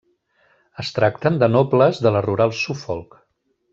Es tracten de nobles de la rural Suffolk.